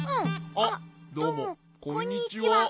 あっどうもこんにちは。